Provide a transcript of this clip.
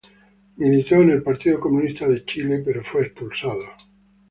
Militó en el Partido Comunista de Chile, pero fue expulsado.